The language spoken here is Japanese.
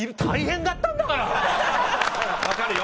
わかるよ。